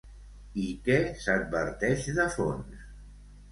I què s'adverteix, de fons?